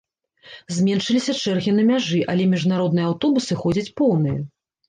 Зменшыліся чэргі на мяжы, але міжнародныя аўтобусы ходзяць поўныя.